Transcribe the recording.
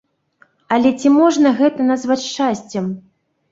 Але ці можна гэта назваць шчасцем?